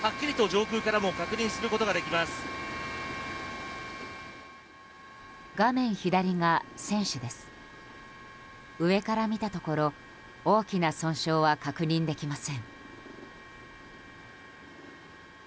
上から見たところ大きな損傷は確認できません。